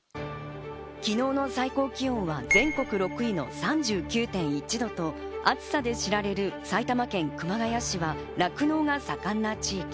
昨日の最高気温は全国６位の３９．１度と暑さで知られる埼玉県熊谷市は酪農が盛んな地域。